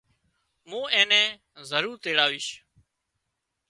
مُون اين نين ضرور تيڙاويش